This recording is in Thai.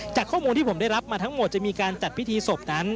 จากข้อมูลที่ผมได้รับมาทั้งหมดจะมีการจัดพิธีศพนั้น